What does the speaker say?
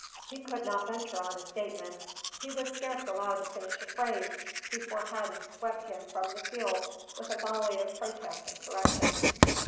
He could not venture on a statement, he was scarce allowed to finish a phrase, before Hadden swept him from the field with a volley of protest and correction.